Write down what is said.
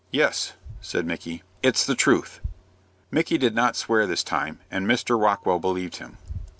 "Yes," said Micky; "it's the truth." Micky did not swear this time, and Mr. Rockwell believed him.